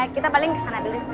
kita paling kesana dulu